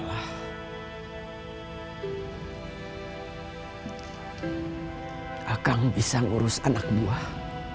akan bisa ngurus anak buah